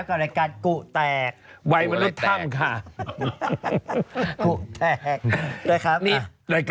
สนุนโดยอีซูซูดีแมคบลูพาวเวอร์นวัตกรรมเปลี่ยนโลก